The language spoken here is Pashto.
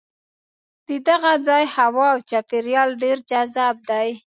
د دغه ځای هوا او چاپېریال ډېر جذاب دی.